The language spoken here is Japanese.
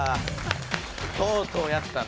とうとうやったな。